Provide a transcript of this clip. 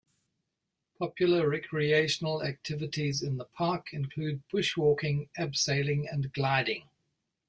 Popular recreational activities in the park include bushwalking, abseiling and gliding.